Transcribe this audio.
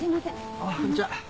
あっこんにちは。